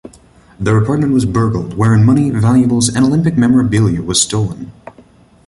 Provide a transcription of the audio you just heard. Their apartment was burgled, wherein money, valuables, and Olympic memorabilia was stolen.